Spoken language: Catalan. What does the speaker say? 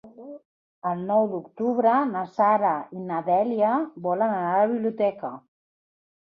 El nou d'octubre na Sara i na Dèlia volen anar a la biblioteca.